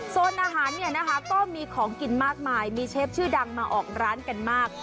โซนอาหารเนี่ยนะคะก็มีของกินมากมายมีเชฟชื่อดังมาออกร้านกันมาก